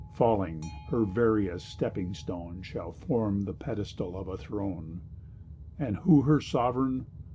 Falling—her veriest stepping stone Shall form the pedestal of a throne— And who her sovereign?